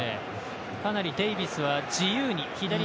かなりデイビスは自由に。